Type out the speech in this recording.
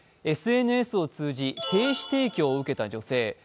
ＳＮＳを通じ、精子提供を受けた女性。